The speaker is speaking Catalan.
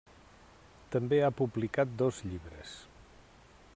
També ha publicat dos llibres.